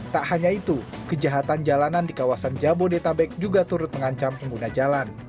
tak hanya itu kejahatan jalanan di kawasan jabodetabek juga turut mengancam pengguna jalan